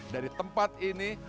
dari tempat ini